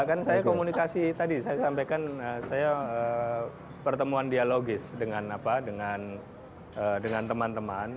kan saya komunikasi tadi saya sampaikan saya pertemuan dialogis dengan teman teman